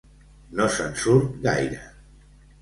No se'n surt gaire.